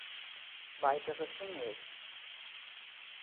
Weitere Singles